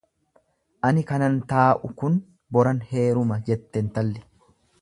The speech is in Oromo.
Ani kanan taa'u kun boran heeruma, jette intalli.